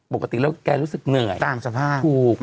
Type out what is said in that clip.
ปกติแล้วแกรู้สึกเหนื่อยตามสภาพถูก